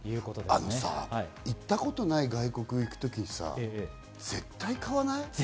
あとさ、行ったことない外国行くときさ、絶対買わない？